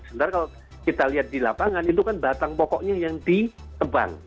sementara kalau kita lihat di lapangan itu kan batang pokoknya yang ditebang